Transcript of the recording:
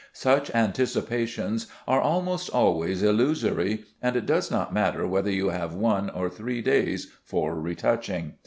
Such anticipations are almost always illusory; and it does not matter whether you have one or three days for retouching.